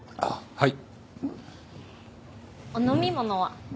はい。